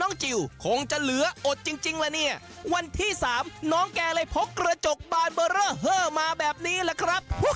จิลคงจะเหลืออดจริงแล้วเนี่ยวันที่สามน้องแกเลยพกกระจกบานเบอร์เรอมาแบบนี้แหละครับ